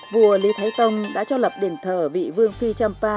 vua lý thái tông đã cho lập đền thờ vị vương phi champa